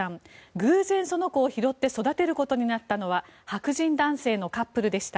偶然、その子を拾って育てることになったのは白人男性のカップルでした。